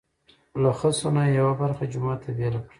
له خسو نه یې یوه برخه جومات ته بېله کړه.